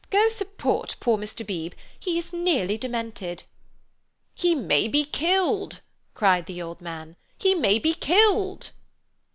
Go and support poor Mr. Beebe—, he is nearly demented." "He may be killed!" cried the old man. "He may be killed!"